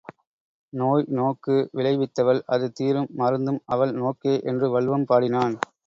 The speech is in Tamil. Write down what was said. நோய் நோக்கு விளைவித்தவள் அது தீரும் மருந்தும் அவள் நோக்கே என்று வள்ளுவம் பாடினான்.